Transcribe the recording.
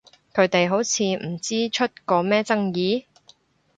佢哋好似唔知出過咩爭議？